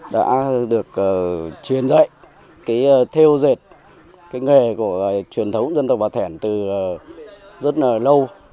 đã được truyền dạy theo dệt nghề của truyền thống dân tộc bà thèn từ rất là lâu